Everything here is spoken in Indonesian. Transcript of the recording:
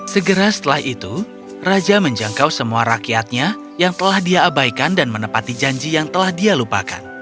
segera setelah itu raja menjangkau semua rakyatnya yang telah dia abaikan dan menepati janji yang telah dia lupakan